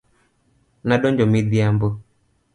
Na donjo midhiambo.